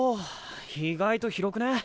意外と広くねぇ？